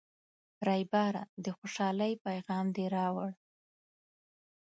ریبراه، د خوشحالۍ پیغام دې راوړ.